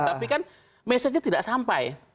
tapi kan mesejnya tidak sampai